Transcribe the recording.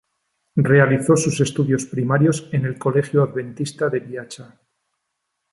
Realizó sus estudios primarios en el Colegio Adventista de Viacha.